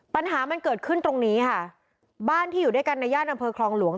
ปัญหามันเกิดขึ้นตรงนี้ค่ะบ้านที่อยู่ด้วยกันในย่านอำเภอคลองหลวง